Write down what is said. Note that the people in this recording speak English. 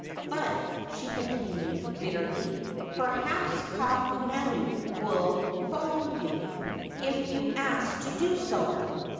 "But," she continued, bitterly, "perhaps Kaahumanu would follow you, if asked to do so!"